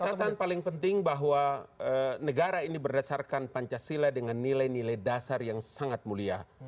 catatan paling penting bahwa negara ini berdasarkan pancasila dengan nilai nilai dasar yang sangat mulia